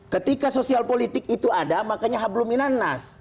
ketika sosial politik itu ada makanya habluminan nas